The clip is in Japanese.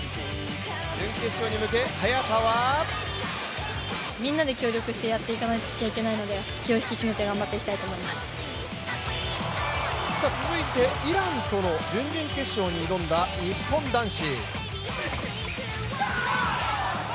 準決勝へ向け、早田は続いてイランとの準々決勝に挑んだ日本男子。